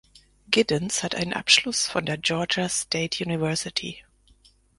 Giddens hat einen Abschluss von der Georgia State University.